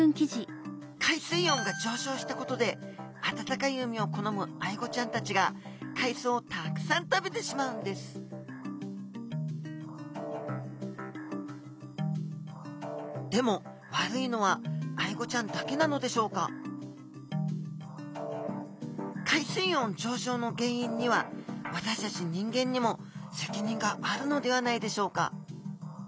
海水温が上昇したことで暖かい海を好むアイゴちゃんたちが海藻をたくさん食べてしまうんですでも海水温の上昇の原因には私たち人間にも責任があるのではないでしょうか？